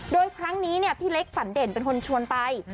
โดยครั้งนี้พี่เล็กฝันเด่นเป็นคนชวนไป